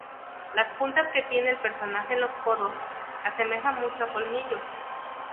Las puntas que tiene el personaje en los codos asemejan mucho a colmillos.